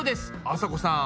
あさこさん